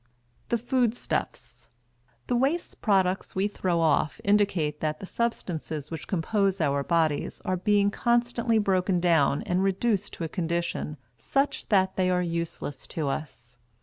THE FOOD STUFFS. The waste products we throw off indicate that the substances which compose our bodies are being constantly broken down and reduced to a condition such that they are useless to us.